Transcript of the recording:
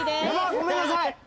ごめんなさい！